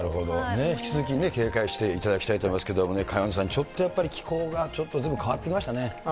引き続き警戒していただきたいと思いますけれどもね、萱野さん、気候が、ちょっとずいぶん変わってきましたね。